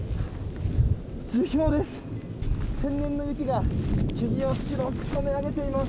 樹氷です。